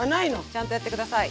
ちゃんとやって下さい。